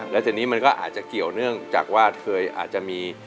แล้วทีนี้มันก็อาจจะเกี่ยวเนื่องจากว่าเคยอาจจะมี